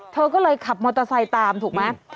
เธอก็เลยขับมอเตอร์ไซค์ตามถูกไหม